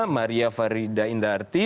maria farida indartin